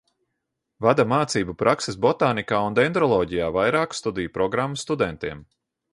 Vada mācību prakses botānikā un dendroloģijā vairāku studiju programmu studentiem.